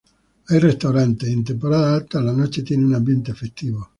Hay restaurantes, y en temporada alta la noche tiene un ambiente festivo.